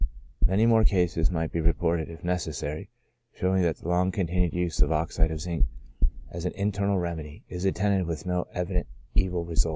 Many more cases might be reported, if necessary, show ing that the long continued use of oxide of zinc, as an in ternal remedy, is attended with no evident evil results.